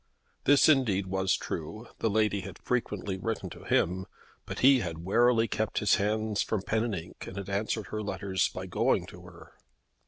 This indeed was true. The lady had frequently written to him, but he had warily kept his hands from pen and ink and had answered her letters by going to her.